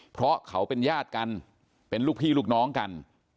เพราะเขาเป็นญาติกันเป็นลูกพี่ลูกน้องกัน